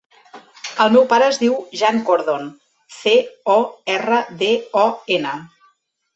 El meu pare es diu Jan Cordon: ce, o, erra, de, o, ena.